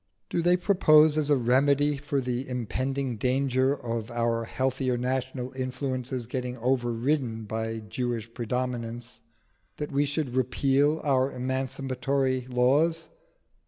Do they propose as a remedy for the impending danger of our healthier national influences getting overridden by Jewish predominance, that we should repeal our emancipatory laws?